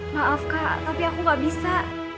maaf kak tapi aku gak bisa